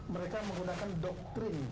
mereka menggunakan doktrin